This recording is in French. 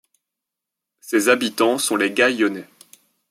Ses habitants sont les Gaillonnais.